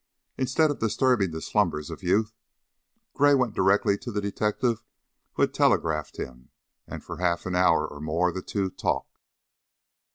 Instead of disturbing the slumbers of youth, Gray went directly to the detective who had telegraphed him, and for half an hour or more the two talked.